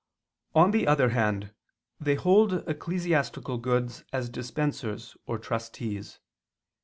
On the other hand, they hold ecclesiastical goods as dispensers or trustees.